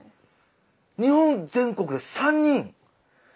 日本全国で３人！